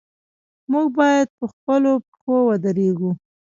موږ باید په خپلو پښو ودریږو.